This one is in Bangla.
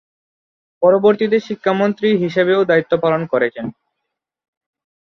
পরবর্তীতে শিক্ষামন্ত্রী হিসেবেও দায়িত্ব পালন করেছেন।